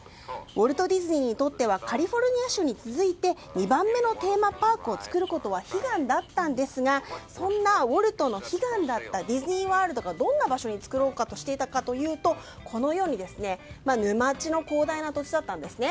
ウォルト・ディズニーにとってはカリフォルニア州に続いて２番目のテーマパークを作ることは悲願だったんですがそんなウォルトの悲願だったディズニーワールドをどんな場所に作ろうかとしていたかというとこのように沼地の広大な土地だったんです。